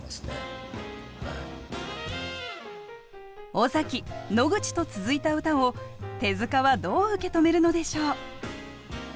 尾崎野口と続いた歌を手塚はどう受け止めるのでしょう。